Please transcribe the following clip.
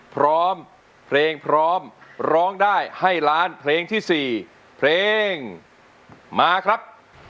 พร้อมเพลงพร้อมร้องได้ให้ล้านเพลงที่๔เพลงมาครับ